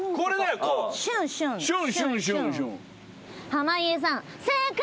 濱家さん正解！